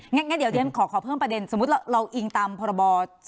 ไงเนี้ยเดี๋ยวเจมส์ขอเพิ่มประเด็นสมมุติเวลาเราเรายิงตามพรบอ๙๘๖